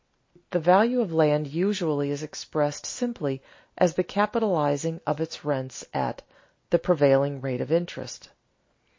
_ The value of land usually is explained simply as the capitalizing of its rents at "the prevailing rate of interest."